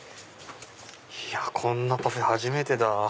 こんなパフェ初めてだ！